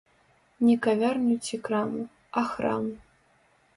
Не кавярню ці краму, а храм.